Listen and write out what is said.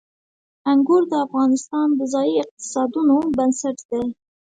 انګور د افغانستان د ځایي اقتصادونو بنسټ دی.